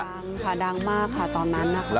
ดังค่ะดังมากค่ะตอนนั้นนะคะ